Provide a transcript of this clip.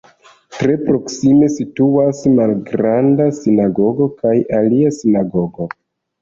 Tre proksime situas Malgranda Sinagogo kaj alia sinagogo.